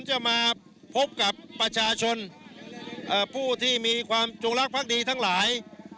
จะมาพบกับประชาชนผู้ที่มีความจงรักภักดีทั้งหลาย